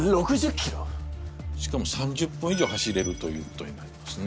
しかも３０分以上走れるということになりますね。